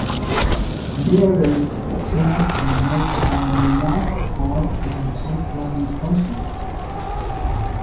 Bearers chant and may or may not toss and shake the mikoshi.